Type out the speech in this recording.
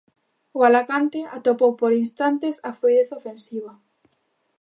O Alacante atopou, por instantes, a fluidez ofensiva.